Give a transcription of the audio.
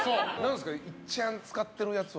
一番使ってるやつは？